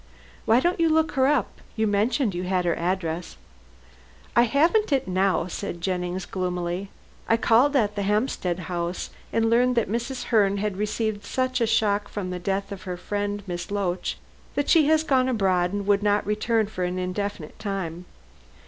"Why don't you look her up? You mentioned you had her address." "I haven't it now," said Jennings gloomily. "I called at the Hampstead house, and learned that Mrs. Herne had received such a shock from the death of her friend, Miss Loach, that she had gone abroad and would not return for an indefinite time.